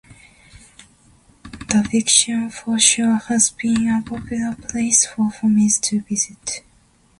The Bicton foreshore has been a popular place for families to visit.